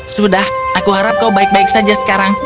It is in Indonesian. sudah aku harap kau baik baik saja sekarang